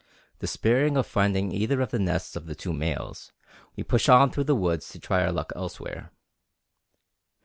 Despairing of finding either of the nests of the two males, we pushed on through the woods to try our luck elsewhere.